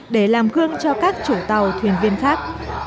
để làm gương cho các chủ tàu thuyền viên khác